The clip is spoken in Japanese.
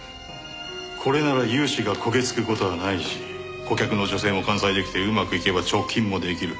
これなら融資が焦げつく事はないし顧客の女性も完済出来てうまくいけば貯金も出来る。